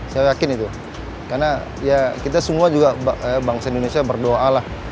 saya yakin itu karena ya kita semua juga bangsa indonesia berdoa lah